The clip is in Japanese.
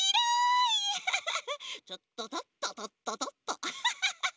とっととっととっととっとアハハハハ！